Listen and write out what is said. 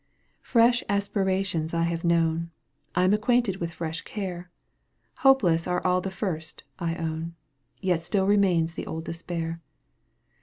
Fresh aspirations I have known, I am acquainted with fresh care, Hopeless are all the first, I own, Yet still remains the old despair.